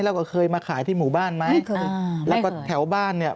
แล้วก็เคยมาขายที่หมู่บ้านไหมเคยอ่าแล้วก็แถวบ้านเนี่ย